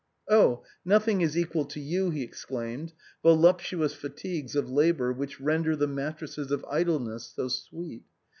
" Oh ! nothing is equal to you," he exclaimed, " volup tuous fatigues of labor which render the mattresses of idleness so sweet.